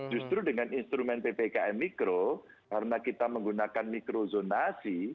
justru dengan instrumen ppkm mikro karena kita menggunakan mikrozonasi